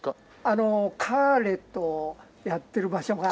あのカーレットをやってる場所が。